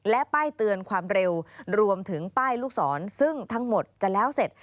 และป้ายเตือนความเร็วรวมถึงป้ายลูกศรซึ่งทั้งหมดจะแล้วเสร็จ